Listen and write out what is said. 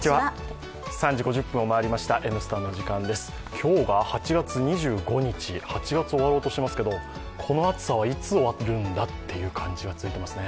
今日が８月２５日、８月、終わろうとしてますけどこの暑さはいつ終わるんだっていう感じが続いていますね。